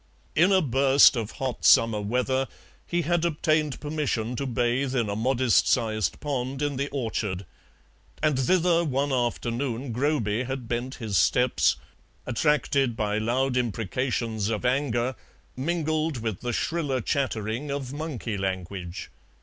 In a burst of hot summer weather he had obtained permission to bathe in a modest sized pond in the orchard, and thither one afternoon Groby had bent his steps, attracted by loud imprecations of anger mingled with the shriller chattering of monkey language.